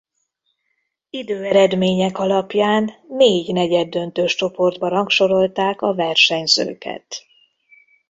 Időeredmények alapján négy negyeddöntős csoportba rangsorolták a versenyzőket.